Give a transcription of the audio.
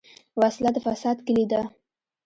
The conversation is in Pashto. وسله د فساد کلي ده